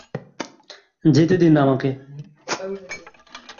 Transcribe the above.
যেতে দিন আমাকে!